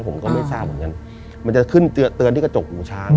ผมก็ไม่ทราบเหมือนกันมันจะขึ้นเตือนที่กระจกหูช้าง